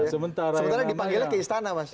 sementara dipanggilnya ke istana mas